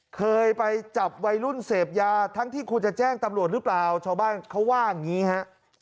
เคยไปจับวัยรุ่นเสพยาทั้งที่ควรจะแจ้งตำรวจหรือเปล่าชาวบ้านเขาว่าอย่างนี้ฮะ